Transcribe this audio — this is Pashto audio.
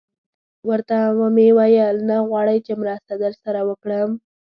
ورته ومې ویل: نه غواړئ چې مرسته در سره وکړم؟